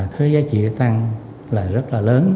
thuế giá trị tăng là rất là lớn